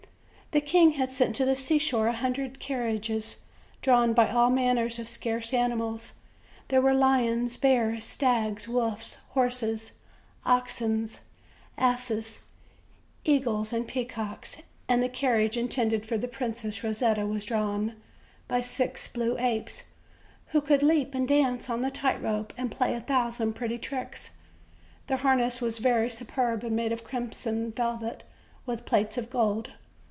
The king had sent to the seashore a hundred car riages, drawn by all manner of scarce animals; there were lions, bears, stags, wolves, horses, oxen, asses, eagles and peacocks; and the carriage intended for the Princess Hosetta was drawn by six blue apes, who could leap and dance on the tight rope and play a thousand pretty tricks; their harness was very superb, and was made of crimson velvet, with plates of gold.